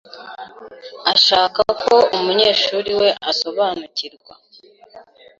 ashaka ko umunyeshuri we asoanukirwa